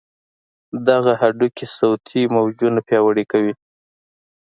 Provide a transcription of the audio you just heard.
دغه هډوکي صوتي موجونه پیاوړي کوي.